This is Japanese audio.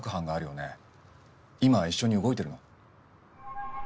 今一緒に動いてるの？